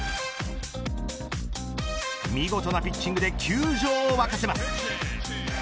見事なピッチングで球場を沸かせます。